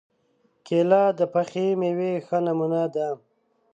کېله د پخې مېوې ښه نمونه ده.